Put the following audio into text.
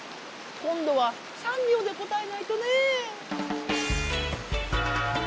今度は３秒で答えないとね。